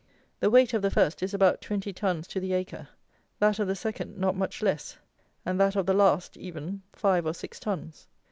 The weight of the first is about twenty tons to the acre; that of the second not much less; and that of the last even, five or six tons.